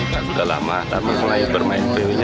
sudah lama saya mulai bermain vw nya setelah lima tahun